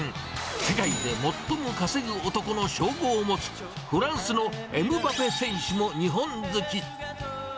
世界で最も稼ぐ男の称号を持つ、フランスのエムバペ選手も日本好き。